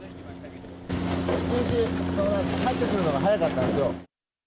１日帰ってくるのが早かったんですよ。